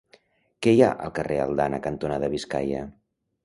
Què hi ha al carrer Aldana cantonada Biscaia?